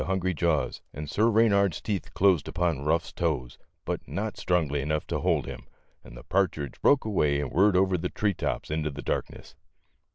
123 hungry jaws and Sir Reynard's teeth closed upon Ruff's toes, but not strongly enough to hold him, and the partridge broke away and whirred over the tree tops into the darkness.